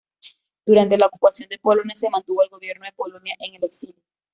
Durante la ocupación de Polonia se mantuvo el Gobierno de Polonia en el exilio.